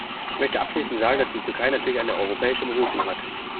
Ich möchte abschließend sagen, dass die Türkei natürlich eine europäische Berufung hat.